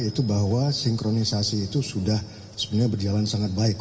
yaitu bahwa sinkronisasi itu sudah sebenarnya berjalan sangat baik